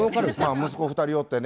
息子２人おってね